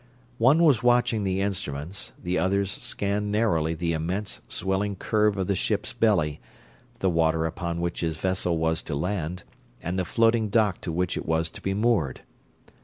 One was watching the instruments, the others scanned narrowly the immense, swelling curve of the ship's belly, the water upon which his vessel was to land, and the floating dock to which it was to be moored.